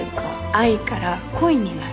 愛から恋になる。